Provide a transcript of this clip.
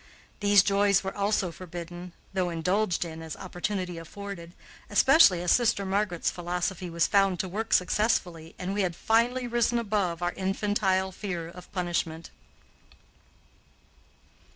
These joys were also forbidden, though indulged in as opportunity afforded, especially as sister Margaret's philosophy was found to work successfully and we had finally risen above our infantile fear of punishment.